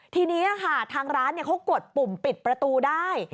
ทีนี้ค่ะทางร้านเขากดปุ่มปิดประตูได้